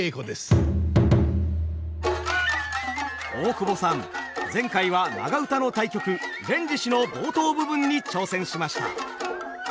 大久保さん前回は長唄の大曲「連獅子」の冒頭部分に挑戦しました。